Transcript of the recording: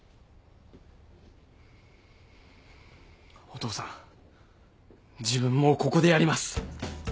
お父さん自分もうここでやります。